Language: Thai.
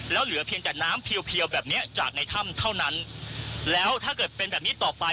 แล้วเหลือเพียงแต่น้ำเพียวเพียวแบบเนี้ยจากในถ้ำเท่านั้นแล้วถ้าเกิดเป็นแบบนี้ต่อไป